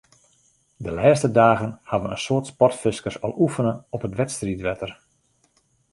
De lêste dagen hawwe in soad sportfiskers al oefene op it wedstriidwetter.